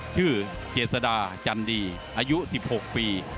ชื่อเจสดาจันดีอายุ๑๖ปี